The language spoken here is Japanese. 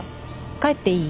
帰っていい？